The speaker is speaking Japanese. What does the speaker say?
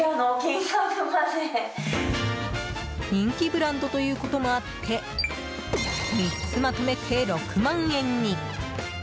人気ブランドということもあって３つまとめて６万円に！